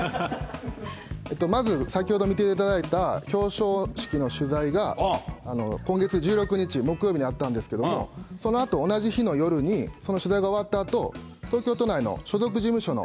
まず先ほど見ていただいた表彰式の取材が、今月１６日木曜日にあったんですけども、そのあと、同じ日の夜にその取材が終わったあと、東京都内の所属事務所の。